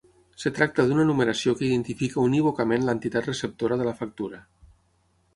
Es tracta d'una numeració que identifica unívocament l'entitat receptora de la factura.